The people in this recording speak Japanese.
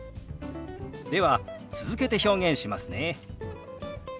では続けて表現しますね。